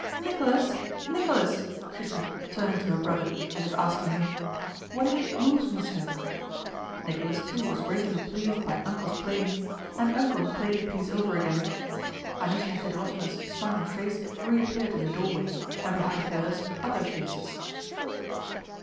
"Nicholas, Nicholas!" she said, turning to her brother, as if asking him: "What is it moves me so?" Nicholas too was greatly pleased by "Uncle's" playing, and "Uncle" played the piece over again. Anísya Fëdorovna's smiling face reappeared in the doorway and behind hers other faces...